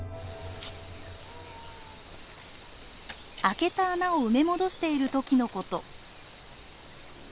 開けた穴を埋め戻している時の事。